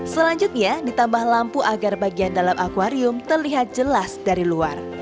selanjutnya ditambah lampu agar bagian dalam akwarium terlihat jelas dari luar